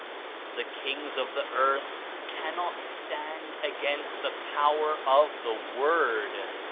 The Kings of the earth cannot stand against the power of the Word.